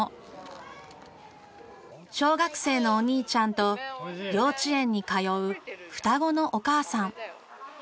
小学生のお兄ちゃんと幼稚園に通う双子のお母さん。